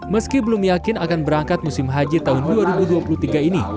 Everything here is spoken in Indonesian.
meski belum yakin akan berangkat musim haji tahun dua ribu dua puluh tiga ini